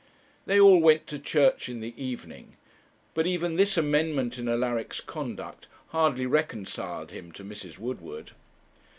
They all went to church in the evening; but even this amendment in Alaric's conduct hardly reconciled him to Mrs. Woodward.